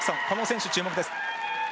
この選手、注目です。